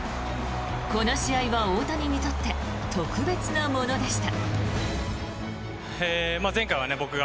この試合は大谷にとって特別なものでした。